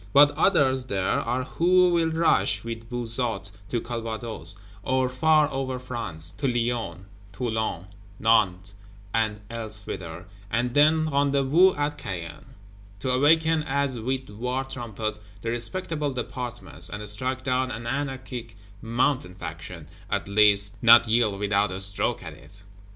But others there are who will rush, with Buzot, to Calvados; or far over France, to Lyons, Toulon, Nantes and elsewhither, and then rendezvous at Caen: to awaken as with war trumpet the respectable Departments; and strike down an anarchic Mountain Faction; at least not yield without a stroke at it.